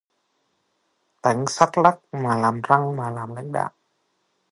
Tánh xắc lắc, làm răng mà lãnh đạo